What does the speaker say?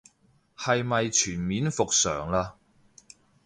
係咪全面復常嘞